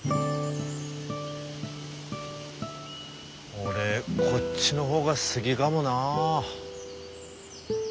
俺こっちの方が好きかもなぁ。